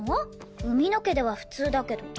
海野家では普通だけど。